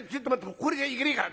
これじゃいけねえから」。